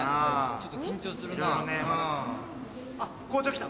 ちょっと緊張するなぁ。